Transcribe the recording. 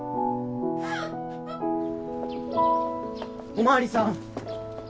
お巡りさん！